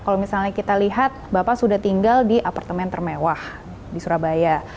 kalau misalnya kita lihat bapak sudah tinggal di apartemen termewah di surabaya